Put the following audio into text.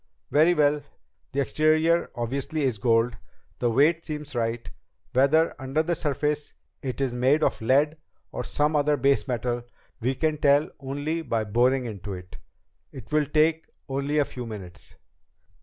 "Very well. The exterior obviously is gold. The weight seems right. Whether, under the surface, it is made of lead or some other base metal we can tell only by boring into it. It will take only a few minutes."